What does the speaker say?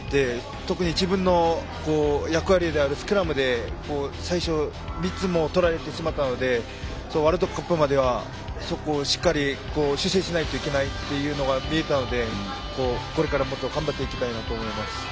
特に自分の役割であるスクラムで最初、３つも取られてしまったのでワールドカップまでにはそこをしっかり修正しないといけないということが見えたので、これからもっと頑張っていきたいと思います。